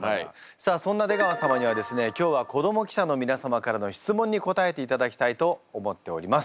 さあそんな出川様にはですね今日は子ども記者の皆様からの質問に答えていただきたいと思っております。